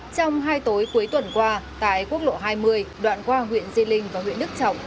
trong hai tối cuối tuần qua tại quốc lộ hai mươi đoạn qua huyện di linh và huyện đức trọng